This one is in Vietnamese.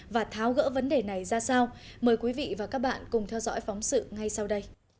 và tháo gỡ vấn đề này ra sao mời quý vị và các bạn cùng theo dõi phóng sự ngay sau đây